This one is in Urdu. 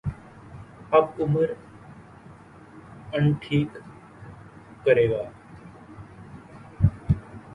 آب عمر انٹهیک کرے گا